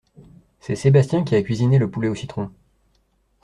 C’est Sébastien qui a cuisiné le poulet au citron.